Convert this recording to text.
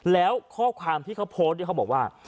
แล้วข้อความที่เขาโพสต์เนี่ยเขาบอกว่า